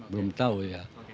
belum tahu ya